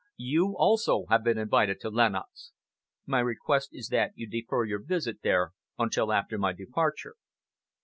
You, also, have been invited to Lenox. My request is that you defer your visit there until after my departure."